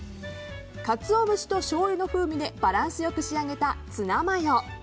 カツオ節としょうゆの風味でバランスよく仕上げたツナマヨ。